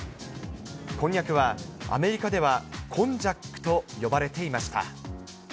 こんにゃくはアメリカではコンジャックと呼ばれていました。